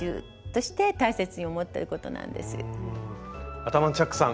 アタマンチャックさん